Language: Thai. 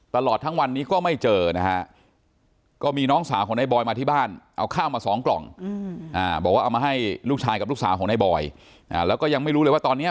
กับลูกสาวของนายบอยอ่าแล้วก็ยังไม่รู้เลยว่าตอนเนี้ย